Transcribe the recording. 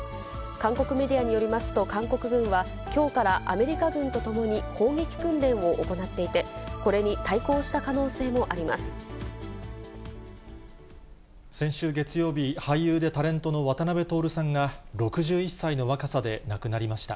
韓国メディアによりますと、韓国軍は、きょうからアメリカ軍先週月曜日、俳優でタレントの渡辺徹さんが、６１歳の若さで亡くなりました。